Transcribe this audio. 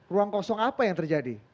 ruang kosong apa yang terjadi